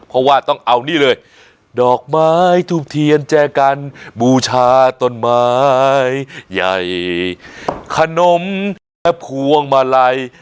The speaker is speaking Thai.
เพราะว่าต้องเอานี่เลยดอกไม้ทูบเทียนแจกันบูชาต้นไม้ใหญ่ขนมและพวงมาลัย